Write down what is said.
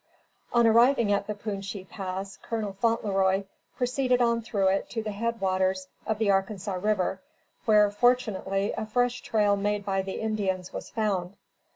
On arriving at the Punchi Pass, Col. Fauntleroy proceeded on through it to the head waters of the Arkansas river, where, fortunately, a fresh trail made by the Indians was found.